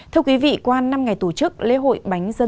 thưa quý vị qua năm ngày tổ chức lễ hội bánh dân